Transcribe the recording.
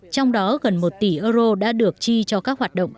trong đó gần một tỷ euro đã được chi cho các quốc gia